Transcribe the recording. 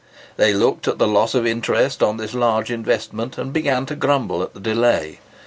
They looked at the loss of interest on this large investment, and began to grumble at the delay.